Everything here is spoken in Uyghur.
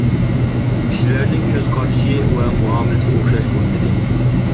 كىشىلەرنىڭ كۆز قارشى ۋە مۇئامىلىسى ئوخشاش بولمىدى.